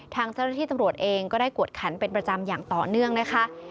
ทางเจ้าหน้าที่ตำรวจเองก็ได้กวดขันเป็นประจำอย่างต่อเนื่องนะคะ